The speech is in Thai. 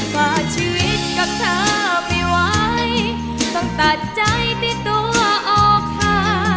ฝ่าชีวิตกับเธอไม่ไหวต้องตัดใจติดตัวออกค่ะ